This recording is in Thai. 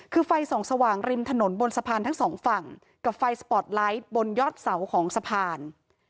คือไฟส่องสว่างริมถนนบนสะพานทั้งสองฝั่งกับไฟสปอร์ตไลท์บนยอดเสาของสะพาน